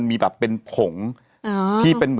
มีสารตั้งต้นเนี่ยคือยาเคเนี่ยใช่ไหมคะ